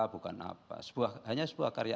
bukan apa hanya sebuah karya